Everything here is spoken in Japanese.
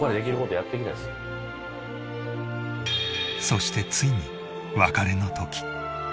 そしてついに別れの時。